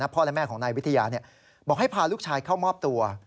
พ่อและแม่ของนายวิทยาบอกให้พาลูกชายเข้ามอบตัว